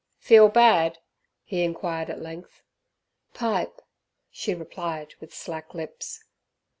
"Feel bad?" he inquired at length. "Pipe," she replied with slack lips.